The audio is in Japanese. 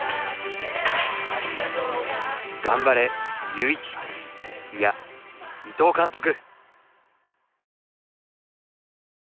頑張れユーイチいや伊藤監督！